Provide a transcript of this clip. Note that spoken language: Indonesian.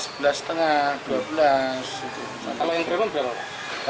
kalau yang premium berapa